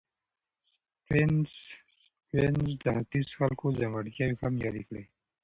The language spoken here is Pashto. سټيونز د ختیځ د خلکو ځانګړتیاوې هم یادې کړې.